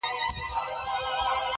• نه ګولۍ او نه مرمي مي چلولي -